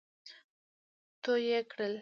تو يې کړل.